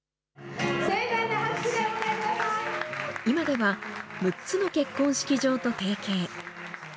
今では、６つの結婚式場と提携。